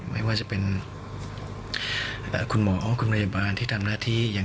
ไม่ว่าจะเป็นคุณหมอคุณพยาบาลที่ทำหน้าที่ยัง